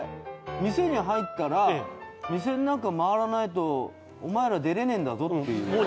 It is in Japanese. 店に入ったら店んなか回らないとおまえら出れねえんだぞっていう